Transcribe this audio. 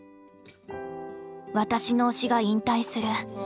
私の推しが引退する。